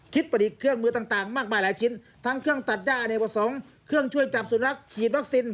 ประดิษฐ์เครื่องมือต่างมากมายหลายชิ้นทั้งเครื่องตัดย่าอเนกประสงค์เครื่องช่วยจับสุนัขฉีดวัคซีน